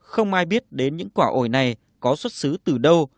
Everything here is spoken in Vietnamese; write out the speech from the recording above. không ai biết đến những quả ổi này có xuất xứ từ đâu